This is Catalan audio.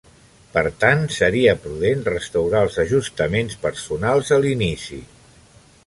Per tant, seria prudent restaurar els ajustaments personals a l'inici.